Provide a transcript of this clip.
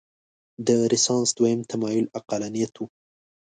د رنسانس دویم تمایل عقلانیت و.